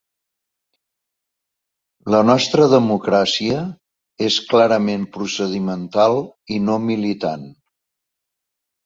La nostra democràcia és clarament procedimental i no militant.